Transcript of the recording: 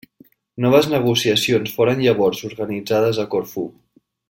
Noves negociacions foren llavors organitzades a Corfú.